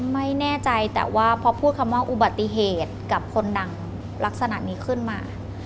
ไม่แน่ใจแต่ว่าพอพูดคำว่าอุบัติเหตุกับคนดังลักษณะนี้ขึ้นมา